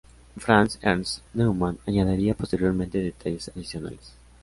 Franz Ernst Neumann añadiría posteriormente detalles adicionales.